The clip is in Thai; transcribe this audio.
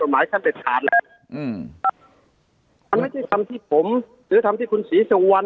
มันไม่ใช่ทำที่ผมหรือทำที่คุณศรีสวรรค์